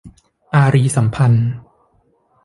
อารีย์สัมพันธ์